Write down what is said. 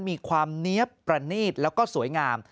มีความเนี๊ยบประนีตแล้วก็สวยงาม